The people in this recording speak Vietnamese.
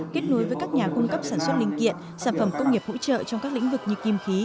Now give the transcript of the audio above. kết nối với các nhà cung cấp sản xuất linh kiện sản phẩm công nghiệp hỗ trợ trong các lĩnh vực như kim khí